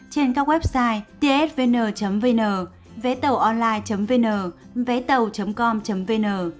hãy đến các website tsvn vn vétàuonline vn vétàu com vn